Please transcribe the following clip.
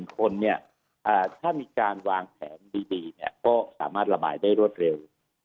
คนเนี่ยถ้ามีการวางแผนดีเนี่ยก็สามารถระบายได้รวดเร็ว